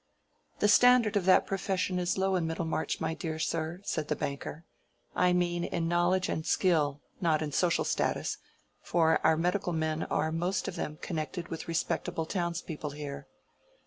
"The standard of that profession is low in Middlemarch, my dear sir," said the banker. "I mean in knowledge and skill; not in social status, for our medical men are most of them connected with respectable townspeople here.